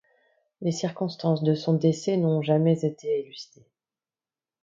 Les circonstances de son décès n’ont jamais été élucidées.